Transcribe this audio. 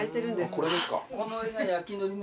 これですか？